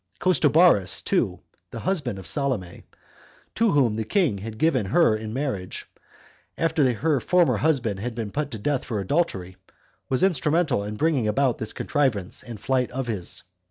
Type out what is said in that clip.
Costobarus also, the husband of Salome, to whom the king had given her in marriage, after her former husband had been put to death for adultery, was instrumental in bringing about this contrivance and flight of his.